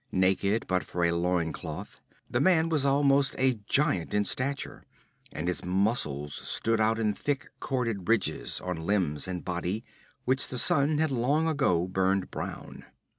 Naked but for a loin cloth, the man was almost a giant in stature, and his muscles stood out in thick corded ridges on limbs and body, which the sun had long ago burned brown.